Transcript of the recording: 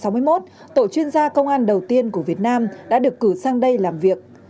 tháng ba năm một nghìn chín trăm sáu mươi một tổ chuyên gia công an đầu tiên của việt nam đã được cử sang đây làm việc